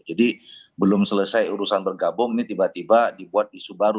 belum selesai urusan bergabung ini tiba tiba dibuat isu baru